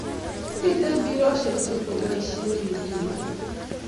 Mito mbiroshek che kebaishe kebire beek